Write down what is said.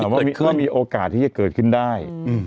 เมื่อมีโอกาสที่จะเกิดขึ้นได้